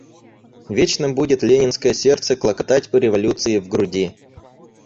Вечно будет ленинское сердце клокотать у революции в груди.